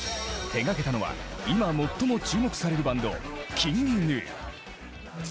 手がけたのは今最も注目されるバンドＫｉｎｇＧｎｕ。